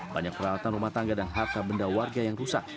banyak peralatan rumah tangga dan harta benda warga yang rusak